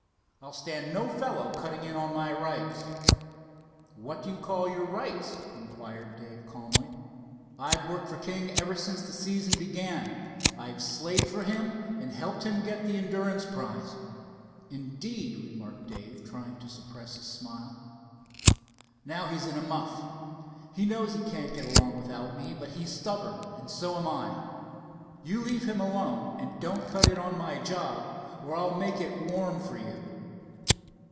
I'll stand no fellow cutting in on my rights." "What do you call your rights?" inquired Dave calmly. "I've worked for King ever since the season began. I've slaved for him and helped him get the endurance prize." "Indeed?" remarked Dave trying to suppress a smile. "Now he's in a muff. He knows he can't get along without me, but he's stubborn, and so am I. You leave him alone, and don't cut in on my job, or I'll make it warm for you."